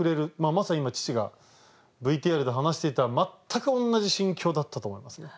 まさに今父がＶＴＲで話していた全く同じ心境だったと思いますね。